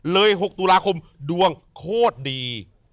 ๖ตุลาคมดวงโคตรดี